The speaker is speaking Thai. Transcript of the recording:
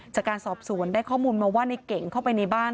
จากการสอบสวนได้ข้อมูลมาว่าในเก่งเข้าไปในบ้าน